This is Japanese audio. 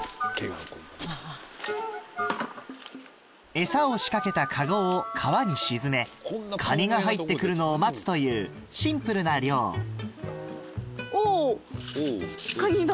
エサを仕掛けたカゴを川に沈めカニが入って来るのを待つというシンプルな漁おぉカニだ。